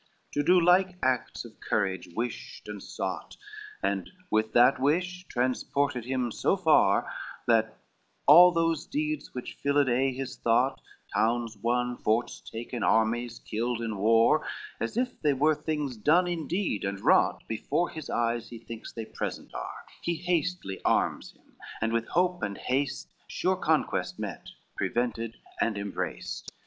LXXXII To do like acts his courage wished and sought, And with that wish transported him so far That all those deeds which filled aye his thought, Towns won, forts taken, armies killed in war, As if they were things done indeed and wrought, Before his eyes he thinks they present are, He hastily arms him, and with hope and haste, Sure conquest met, prevented and embraced.